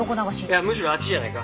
いやむしろあっちじゃないか？